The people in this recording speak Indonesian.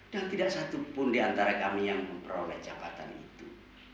dan tidak satupun di antara kami yang memperoleh jabatan itu